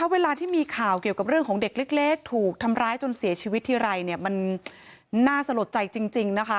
เวลาที่มีข่าวเกี่ยวกับเรื่องของเด็กเล็กถูกทำร้ายจนเสียชีวิตทีไรมันน่าสะลดใจจริงนะคะ